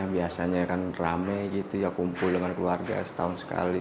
biasanya kan rame gitu ya kumpul dengan keluarga setahun sekali